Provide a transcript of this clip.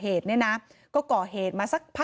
เหตุการณ์เกิดขึ้นแถวคลองแปดลำลูกกา